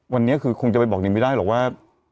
วันนี้คือคงจะไปบอกนิมไม่ได้หรอกว่า